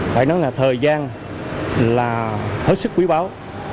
phải nói là thời gian là hết sức quý báo